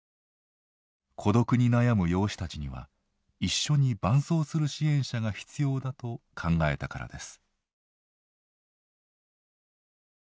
孤独に悩む養子たちには一緒に伴走する支援者が必要だと考えたからです。